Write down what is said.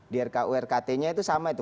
di rku rkt nya itu sama itu